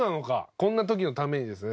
こんな時のためにですね